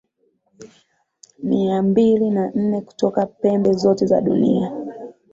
mia mbili na nne kutoka pembe zote za dunia